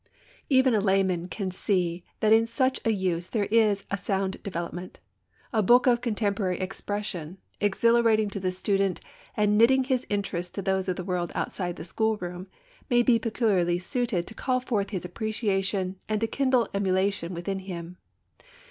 Even a layman can see that in such a use there is a sound development. A book of contemporary expression, exhilarating to the student and knitting his interests to those of the world outside the schoolroom, may be peculiarly suited to call forth his appreciation and to kindle emulation within him.